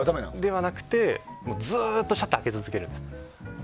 ではなくて、ずっとシャッターを開け続けるんです。